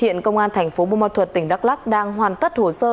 hiện công an tp bông môn thuật tỉnh đắk lắc đang hoàn tất hồ sơ